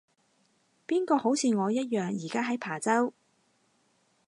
邊個好似我一樣而家喺琶洲